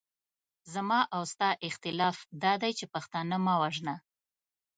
زما او ستا اختلاف دادی چې پښتانه مه وژنه.